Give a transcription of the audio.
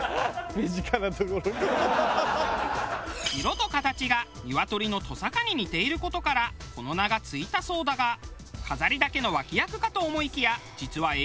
色と形がニワトリのトサカに似ている事からこの名が付いたそうだが飾りだけの脇役かと思いきや実は栄養満点で。